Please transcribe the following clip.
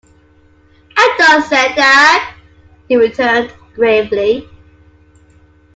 "I don't say that," he returned, gravely.